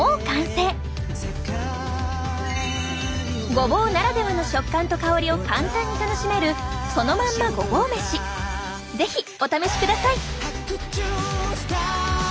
ごぼうならではの食感と香りを簡単に楽しめるそのまんまごぼう飯是非お試しください！